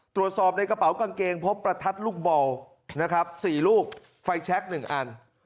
ตรวจสอบในกระเป๋ากางเกงพบประทัดลูกบอลนะครับ๔ลูกไฟแชค๑อัน